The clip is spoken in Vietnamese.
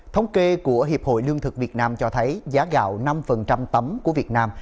thống kê của hiệp hội lương thực việt nam cho thấy giá gạo năm tấm của việt nam